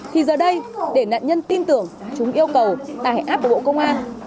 thì giờ đây để nạn nhân tin tưởng chúng yêu cầu tải app của bộ công an